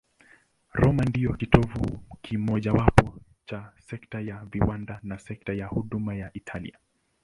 Roma ndiyo kitovu kimojawapo cha sekta ya viwanda na sekta ya huduma ya Italia.